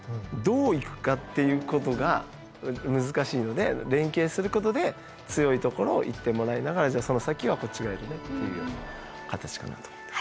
どう行くかっていうことが難しいので連携することで強いところを行ってもらいながらじゃあその先はこっちがやるねっていうような形かなと。